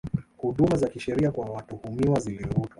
Huduma za kisheria kwa watuhumiwa zilifutwa